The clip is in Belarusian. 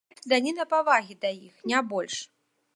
Гэта даніна павагі да іх, не больш.